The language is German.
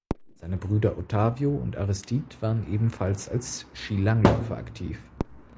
Seine Brüder Ottavio und Aristide waren ebenfalls als Skilangläufer aktiv.